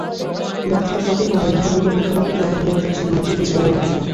ব্যর্থতার পাকে পড়ে হাবুডুবু খাওয়া কুকের মনেও খেলছিল নেতৃত্ব ছেড়ে দেওয়ার ভাবনা।